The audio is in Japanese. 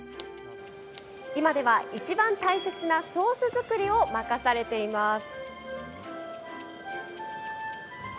今では、いちばん大切なソース作りを任されています。